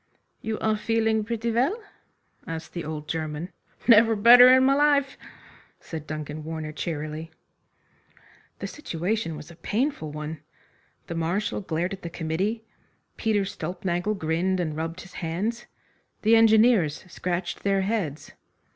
"You are feeling pretty well?" asked the old German. "Never better in my life," said Duncan Warner cheerily. The situation was a painful one. The Marshal glared at the committee. Peter Stulpnagel grinned and rubbed his hands. The engineers scratched their heads.